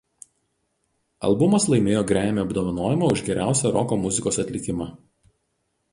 Albumas laimėjo Grammy apdovanojimą už geriausią roko muzikos atlikimą.